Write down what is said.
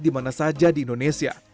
di mana saja di indonesia